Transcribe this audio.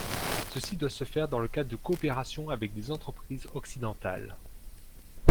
Ceci doit se faire dans le cadre de coopérations avec des entreprises occidentales.